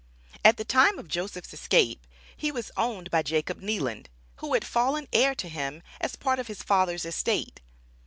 At the time of Joseph's escape, he was owned by Jacob Kneeland, who had fallen heir to him as a part of his father's estate.